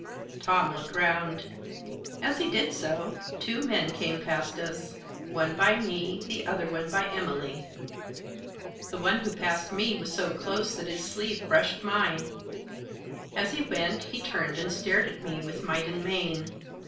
Tom looked round. As he did so, two men came past us, one by me, the other one by Emily. The one who passed me was so close that his sleeve brushed mine ; as he went he turned and stared at me with might and main.